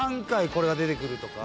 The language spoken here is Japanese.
これが出てくるとか